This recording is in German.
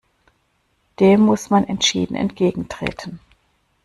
Dem muss man entschieden entgegentreten!